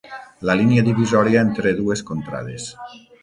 La línia divisòria entre dues contrades.